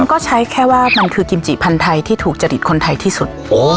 ก็ใช้แค่ว่ามันคือกิมจิพันธ์ไทยที่ถูกจริตคนไทยที่สุด